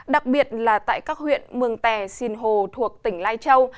đặc biệt là tại các huyện mường tè sinh hồ thuộc tỉnh lai châu